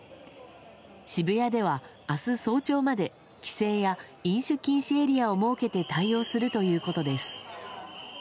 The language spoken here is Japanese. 渋谷では明日早朝まで規制や、飲酒禁止エリアを設けて対応するということです。